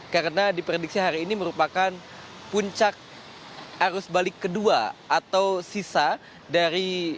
karena diprediksi hari ini merupakan puncak arus balik kedua atau sisa dari